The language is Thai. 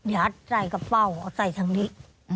ยัดใส่กระเป้าเอาใส่ทางนี้